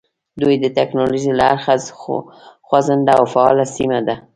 دوی د ټکنالوژۍ له اړخه خوځنده او فعاله سیمه وه.